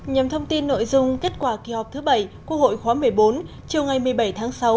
nhằm thông tin nội dung kết quả kỳ họp thứ bảy quốc hội khóa một mươi bốn chiều ngày một mươi bảy tháng sáu